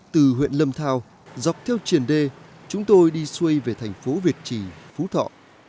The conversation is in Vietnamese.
từ huyện lâm thao dọc theo triền đê chúng tôi đi xuây về thành phố việt trì phú thọ